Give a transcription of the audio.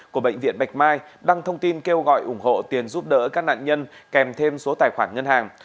của bệnh viện bạch mai đăng thông tin kêu gọi ủng hộ tiền giúp đỡ các nạn nhân kèm thêm số tài khoản ngân hàng